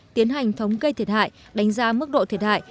tiến hành thống kê thiệt hại đánh giá mức độ thiệt hại